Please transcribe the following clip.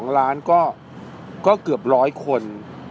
๒ล้านก็เกือบ๑๐๐คน